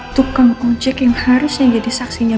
tukang kong cek yang harusnya jadi saksinya